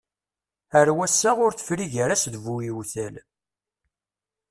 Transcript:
Ar wass-a ur tefri gar-as d bu yiwtal.